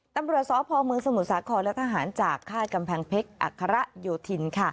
ตำรวจสอบภอมเมืองสมุทรศาสตร์คอและทหารจากค่ายกำแพงเพ็กอัคระโยธิน